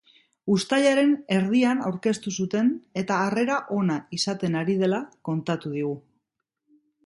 Uztailaren erdian aurkeztu zuten eta harrera ona izaten ari dela kontatu digu.